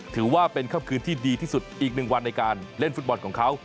ถือว่าเป็นค่ำคืนที่ดีที่สุดอีกหนึ่งวันในการเล่นฟุตบอลของเขา